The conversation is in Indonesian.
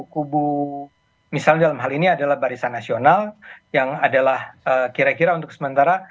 kubu misalnya dalam hal ini adalah barisan nasional yang adalah kira kira untuk sementara